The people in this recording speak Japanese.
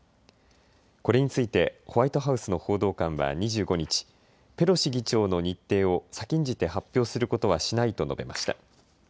これについてホワイトハウスの報道官は２５日、ペロシ議長の日程を先んじて発表することはしないと述べました。